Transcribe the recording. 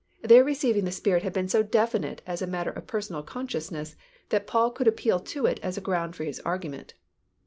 Their receiving the Spirit had been so definite as a matter of personal consciousness, that Paul could appeal to it as a ground for his argument.